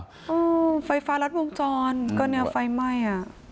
อืมไฟฟ้ารัดมุมจรก็เนื้อไฟไหม้